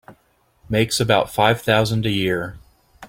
Makes about five thousand a year.